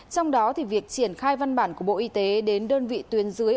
trong đó thì việc triển khai văn bản của bộ y tế đến đơn vị tuyến dưới